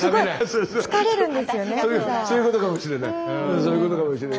そういうことかもしれない。